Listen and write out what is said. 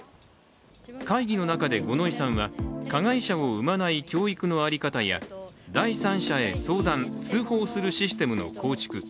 会議の中で、五ノ井さんは加害者を生まない教育の在り方や第三者へ相談・通報するシステムの構築。